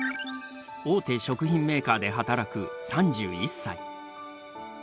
大手食品メーカーで働く３１歳。